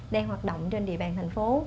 đang hoạt động trên địa bàn thành phố